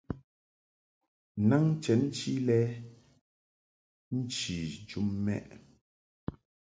Naŋ chenchi lɛ nchi jum mɛʼ.